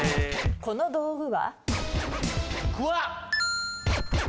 この道具は？